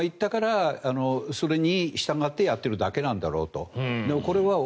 自民党や公明党が言ってるからそれに従ってやっているだけなんだろうと。